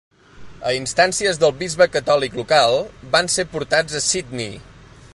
A instàncies del bisbe catòlic local, van ser portats a Sydney.